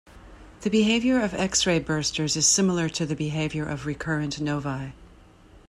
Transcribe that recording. The behavior of X-ray bursters is similar to the behavior of recurrent novae.